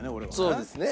そうですね。